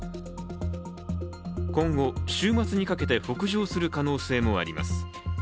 今後、週末にかけて北上する可能性もあります。